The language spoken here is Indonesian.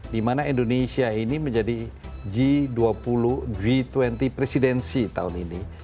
dimana indonesia ini menjadi g dua puluh presidensi tahun ini